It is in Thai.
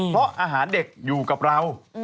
เพราะอาหารเด็กอยู่กับเรา